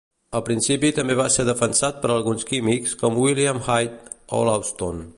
El principi també va ser defensat per alguns químics com William Hyde Wollaston.